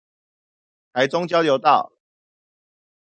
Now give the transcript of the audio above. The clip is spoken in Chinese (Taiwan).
台中交流道